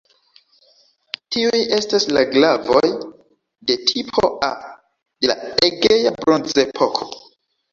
Tiuj estas la glavoj de "tipo A" de la Egea Bronzepoko.